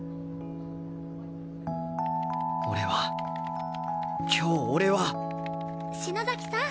俺は今日俺は篠崎さん。